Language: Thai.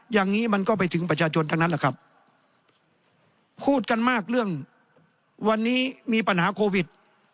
อย่างนี้มันก็ไปถึงประชาชนทั้งนั้นแหละครับพูดกันมากเรื่องวันนี้มีปัญหาโควิด